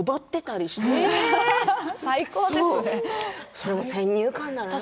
それも先入観なんです。